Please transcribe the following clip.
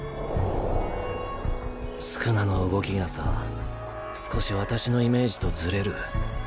宿儺の動きがさ少し私のイメージとずれる。